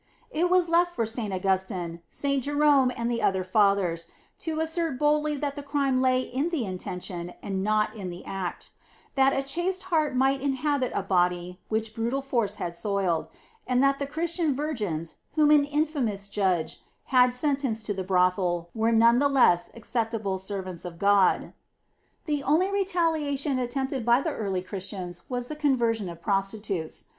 It was left for St. Augustin, St. Jerome, and the other fathers, to assert boldly that the crime lay in the intention and not in the act; that a chaste heart might inhabit a body which brutal force had soiled; and that the Christian virgins whom an infamous judge had sentenced to the brothel were none the less acceptable servants of God. The only retaliation attempted by the early Christians was the conversion of prostitutes.